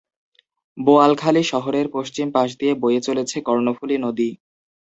বোয়ালখালী শহরের পশ্চিম পাশ দিয়ে বয়ে চলেছে কর্ণফুলি নদী।